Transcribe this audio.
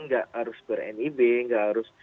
nggak harus ber nib nggak harus